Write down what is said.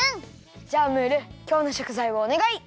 じゃムールきょうのしょくざいをおねがい！